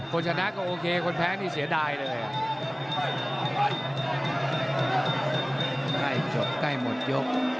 คนชนะก็โอเคคนแพ้นี่เสียดายเลย